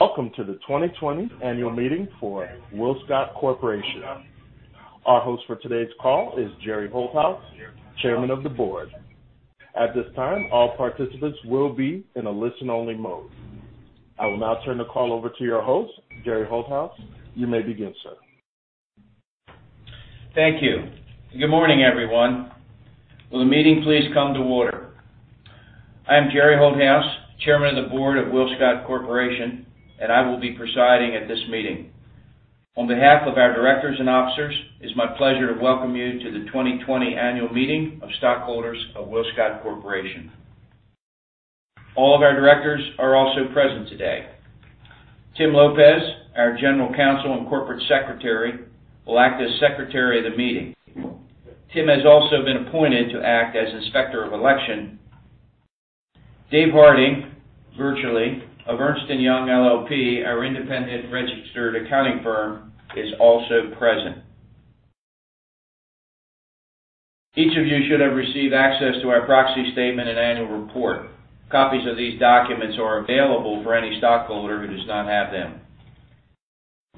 Welcome to the 2020 Annual Meeting for WillScot Corporation. Our host for today's call is Gerry Holthaus, Chairman of the Board. At this time, all participants will be in a listen-only mode. I will now turn the call over to your host, Gerry Holthaus. You may begin, sir. Thank you. Good morning, everyone. Will the meeting please come to order? I am Gerry Holthaus, Chairman of the Board of WillScot Corporation, and I will be presiding at this meeting. On behalf of our directors and officers, it is my pleasure to welcome you to the 2020 Annual Meeting of Stockholders of WillScot Corporation. All of our directors are also present today. Tim Lopez, our General Counsel and Corporate Secretary, will act as Secretary of the Meeting. Tim has also been appointed to act as Inspector of Election. Dave Harding, virtually, of Ernst & Young LLP, our independent registered public accounting firm, is also present. Each of you should have received access to our proxy statement and annual report. Copies of these documents are available for any stockholder who does not have them.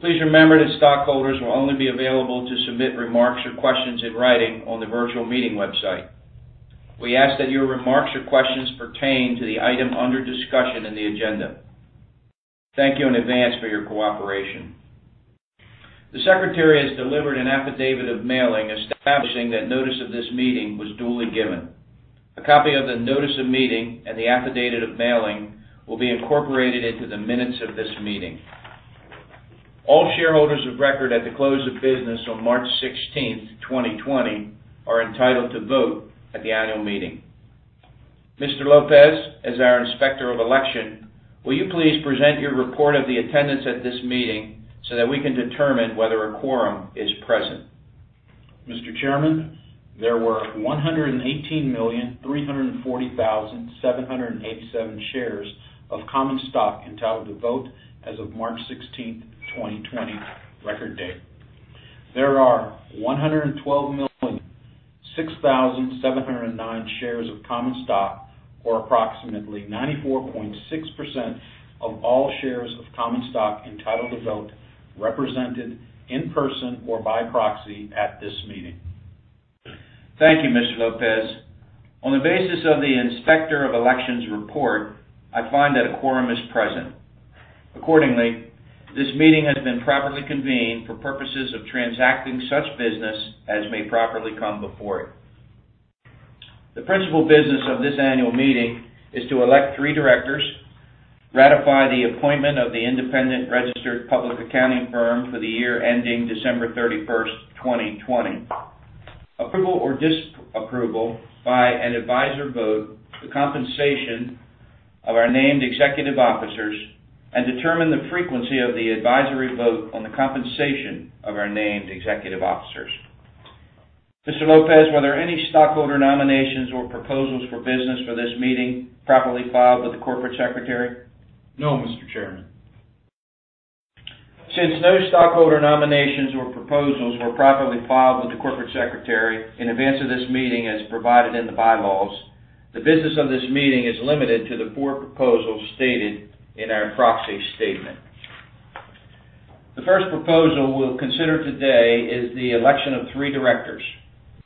Please remember that stockholders will only be available to submit remarks or questions in writing on the virtual meeting website. We ask that your remarks or questions pertain to the item under discussion in the agenda. Thank you in advance for your cooperation. The Secretary has delivered an affidavit of mailing establishing that notice of this meeting was duly given. A copy of the notice of meeting and the affidavit of mailing will be incorporated into the minutes of this meeting. All shareholders of record at the close of business on March 16th, 2020, are entitled to vote at the annual meeting. Mr. Lopez, as our Inspector of Election, will you please present your report of the attendance at this meeting so that we can determine whether a quorum is present? Mr. Chairman, there were 118,340,787 shares of common stock entitled to vote as of March 16th, 2020, record date. There are 112,006,709 shares of common stock, or approximately 94.6% of all shares of common stock entitled to vote, represented in person or by proxy at this meeting. Thank you, Mr. Lopez. On the basis of the Inspector of Elections report, I find that a quorum is present. Accordingly, this meeting has been properly convened for purposes of transacting such business as may properly come before it. The principal business of this annual meeting is to elect three directors, ratify the appointment of the independent registered public accounting firm for the year ending December 31st, 2020, approval or disapproval by an advisory vote, the compensation of our named executive officers, and determine the frequency of the advisory vote on the compensation of our named executive officers. Mr. Lopez, were there any stockholder nominations or proposals for business for this meeting properly filed with the Corporate Secretary? No, Mr. Chairman. Since no stockholder nominations or proposals were properly filed with the Corporate Secretary in advance of this meeting, as provided in the Bylaws, the business of this meeting is limited to the four proposals stated in our proxy statement. The first proposal we'll consider today is the election of three directors.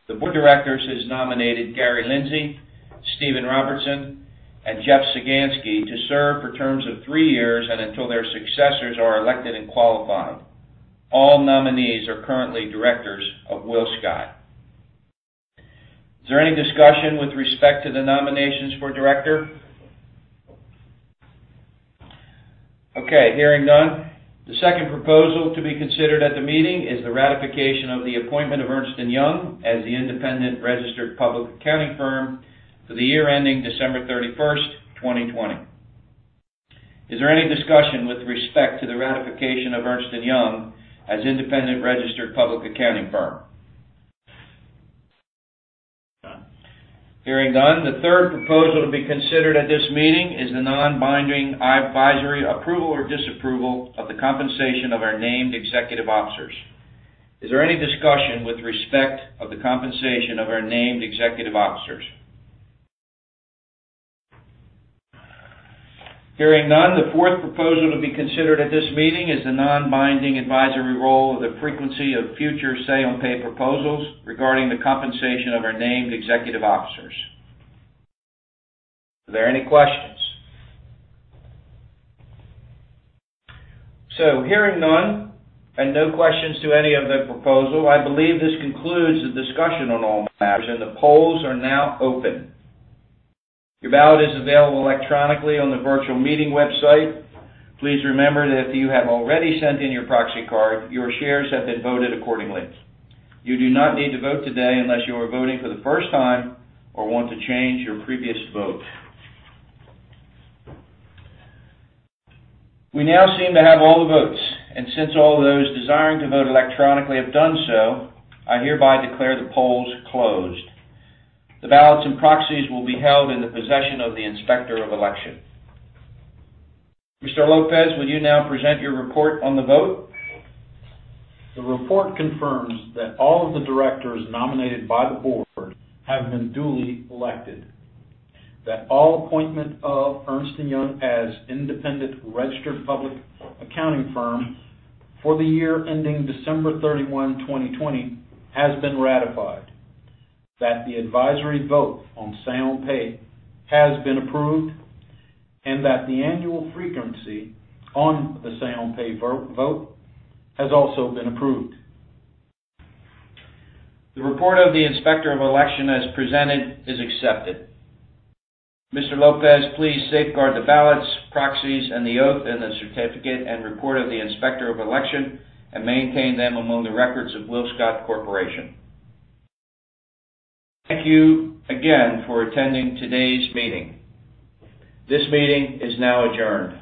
The board of directors has nominated Gary Lindsay, Stephen Robertson, and Jeff Sagansky to serve for terms of three years and until their successors are elected and qualified. All nominees are currently directors of WillScot. Is there any discussion with respect to the nominations for director? Okay. Hearing none. The second proposal to be considered at the meeting is the ratification of the appointment of Ernst & Young as the independent registered public accounting firm for the year ending December 31st, 2020. Is there any discussion with respect to the ratification of Ernst & Young as independent registered public accounting firm? None. Hearing none. The third proposal to be considered at this meeting is the non-binding advisory approval or disapproval of the compensation of our named executive officers. Is there any discussion with respect to the compensation of our named executive officers? Hearing none. The fourth proposal to be considered at this meeting is the non-binding advisory vote on the frequency of future Say on Pay proposals regarding the compensation of our named executive officers. Are there any questions? Hearing none and no questions to any of the proposals, this concludes the discussion on all matters, and the polls are now open. Your ballot is available electronically on the virtual meeting website. Please remember that if you have already sent in your proxy card, your shares have been voted accordingly. You do not need to vote today unless you are voting for the first time or want to change your previous vote. We now seem to have all the votes, and since all those desiring to vote electronically have done so, I hereby declare the polls closed. The ballots and proxies will be held in the possession of the Inspector of Election. Mr. Lopez, will you now present your report on the vote? The report confirms that all of the directors nominated by the board have been duly elected, that the appointment of Ernst & Young as independent registered public accounting firm for the year ending December 31st, 2020, has been ratified, that the advisory vote on Say on Pay has been approved, and that the annual frequency on the Say on Pay vote has also been approved. The report of the Inspector of Election as presented is accepted. Mr. Lopez, please safeguard the ballots, proxies, and the oath and the certificate and report of the Inspector of Election and maintain them among the records of WillScot Corporation. Thank you again for attending today's meeting. This meeting is now adjourned.